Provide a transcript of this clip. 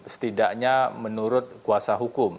setidaknya menurut kuasa hukum